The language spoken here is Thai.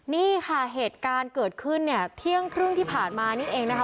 นี่ค่ะเหตุการณ์เกิดขึ้นเนี่ยเที่ยงครึ่งที่ผ่านมานี่เองนะคะ